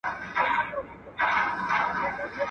د سختۍ څوک نه مري.